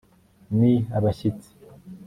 ni abashyitsi